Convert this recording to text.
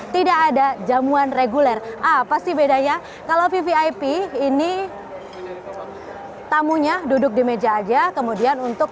tidak ada jamuan reguler apa sih bedanya kalau vvip ini tamunya duduk di meja aja kemudian untuk